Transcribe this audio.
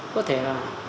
có thể là